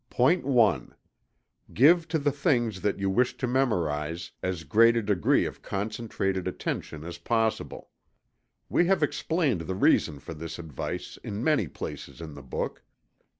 POINT I. Give to the thing that you wish to memorize, as great a degree of concentrated attention as possible. We have explained the reason for this advice in many places in the book.